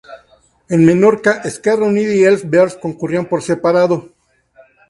En Menorca, Esquerra Unida y Els Verds concurrían por separado.